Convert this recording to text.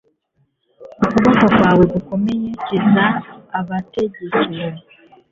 ukuboko kwawe gukomeye kiza abategekewe